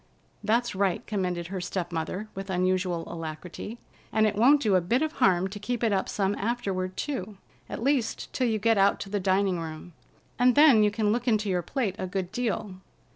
"That's right," commended her step mother, with unusual alacrity. "And it won't do a bit of harm to keep it up some afterward too, at least, till you get out to the dining room, and then you can look into your plate a good deal.